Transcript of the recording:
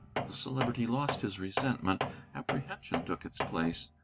The Celebrity lost his resentment; apprehension took its place.